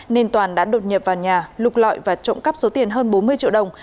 nên toàn đã đột nhập vào nhà lục lọi và trộm cắp số tiền hơn bốn mươi triệu đồng